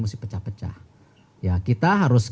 masih pecah pecah kita harus